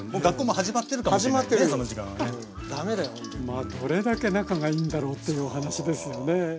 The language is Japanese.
まあどれだけ仲がいいんだろうっていうお話ですよね。